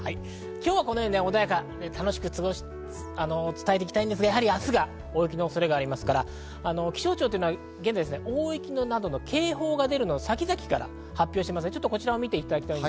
今日はこのように穏やかで、楽しくお伝えしていきたいんですが、明日は大雪の恐れがありますから、気象庁というのは現在、大雪などの警報が出るのを先々から発表しています。